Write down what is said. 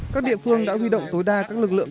các địa phương đã huy động tối đa các lực lượng